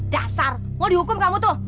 dasar mau dihukum kamu tuh